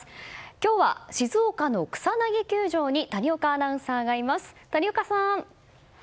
今日は静岡の草薙球場に谷岡アナウンサーがいます。